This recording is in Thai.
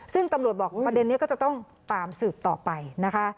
ซึ่งตำรวจบอกประเด็นนี้ก็จะต้องตามสืบต่อไปนะคะ